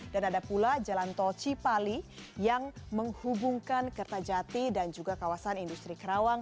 dan ada pula jalan tol cipali yang menghubungkan kertajati dan juga kawasan industri kerawang